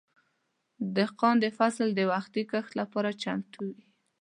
دهقان د فصل د وختي کښت لپاره چمتو وي.